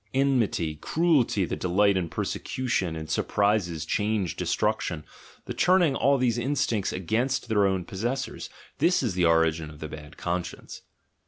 En mity, cruelty, the delight in persecution, in surprises, change, destruction — the turning all these instincts against their own possessors: this is the origin of the "bad con science."